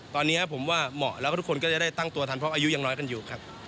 ตอนนี้ผมว่าเหมาะแล้วก็ทุกคนก็จะได้ตั้งตัวทันเพราะอายุยังน้อยกันอยู่ครับ